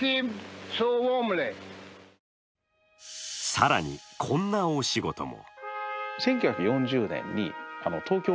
更に、こんなお仕事も。